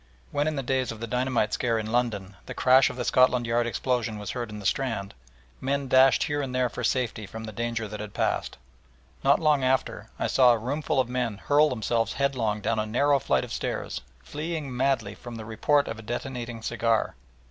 When in the days of the dynamite scare in London the crash of the Scotland Yard explosion was heard in the Strand, men dashed here and there for safety from the danger that had passed. Not long after I saw a roomful of men hurl themselves headlong down a narrow flight of stairs, fleeing madly from the report of a detonating cigar!